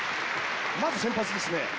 まず先発ですね。